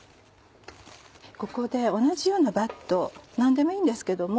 ここで同じようなバット何でもいいんですけども。